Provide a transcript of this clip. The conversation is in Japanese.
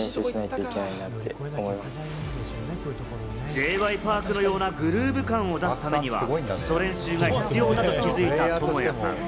Ｊ．Ｙ．Ｐａｒｋのようなグルーヴ感を出すためには、基礎練習が必要だと気づいたトモヤさん。